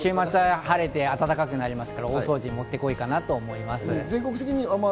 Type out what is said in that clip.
晴れて暖かくなりますから大掃除にもってこいかなと思います。